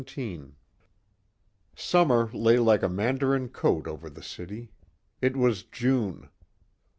17 Summer lay like a Mandarin coat over the city. It was June.